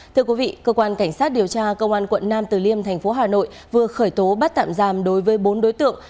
thưa quý vị cơ quan cảnh sát điều tra công an quận nam từ liêm thành phố hà nội vừa khởi tố bắt tạm giam đối với bốn đối tượng